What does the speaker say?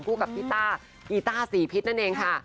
คู่กับอีต้าอีต้าสีพิษนั่นเองค่ะ